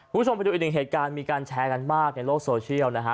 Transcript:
คุณผู้ชมไปดูอีกหนึ่งเหตุการณ์มีการแชร์กันมากในโลกโซเชียลนะฮะ